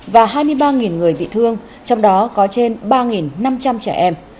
và hai mươi ba người bị thương trong đó có trên ba năm trăm linh trẻ em